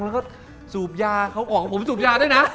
แล้วก็สูบยาเขาออกผมสูบยาด้วยนะ